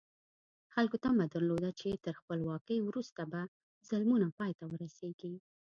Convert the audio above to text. خلکو تمه درلوده چې تر خپلواکۍ وروسته به ظلمونه پای ته ورسېږي.